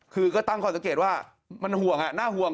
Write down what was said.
คือก็ตั้งข้อสังเกตว่ามันห่วงน่าห่วง